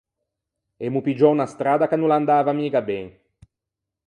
Emmo piggiou unna stradda ch’a no l’andava miga ben.